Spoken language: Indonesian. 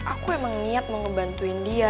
aku emang niat mau ngebantuin dia